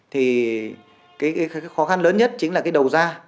thì cái khó khăn lớn nhất chính là cái đầu ra